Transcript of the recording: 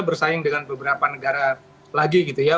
bersaing dengan beberapa negara lagi gitu ya